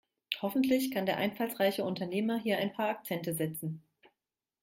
Hoffentlich kann der einfallsreiche Unternehmer hier ein paar Akzente setzen.